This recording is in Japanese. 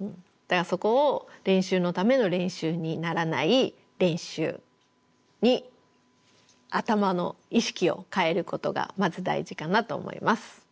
だからそこを練習のための練習にならない練習に頭の意識を変えることがまず大事かなと思います。